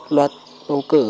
luật bầu cử